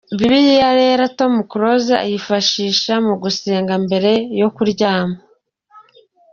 Bibiliya Yera Tom Close ayifashisha mu gusenga mbere yo kuryama.